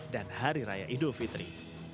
dan hari raya idul fitri